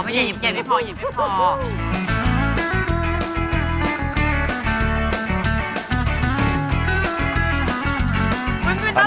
มันสุดอนอื่นตำราบอ่ะ